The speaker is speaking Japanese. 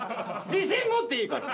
自信持っていいから。